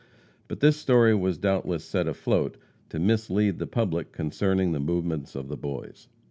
But this story was doubtless set afloat to mislead the public concerning the movements of the Boys.